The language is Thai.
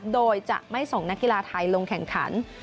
โดยจะไม่ส่งนักกีฬาไทยลงแข่งขัน